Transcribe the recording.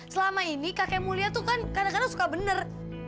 selama ini kakek mulia tuh kan kadang kadang suka bener